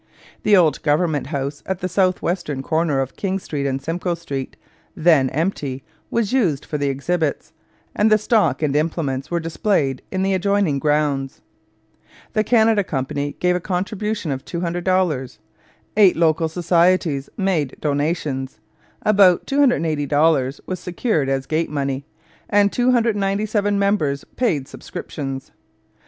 The old Government House at the south western corner of King Street and Simcoe Street, then empty, was used for the exhibits, and the stock and implements were displayed in the adjoining grounds. The Canada Company gave a contribution of $200, eight local societies made donations, about $280 was secured as gate money, and 297 members paid subscriptions.